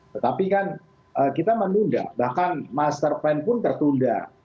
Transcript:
tetapi kan kita menunda bahkan master plan pun tertunda